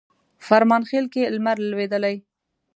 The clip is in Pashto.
فرمانخیل کښي لمر لوېدلی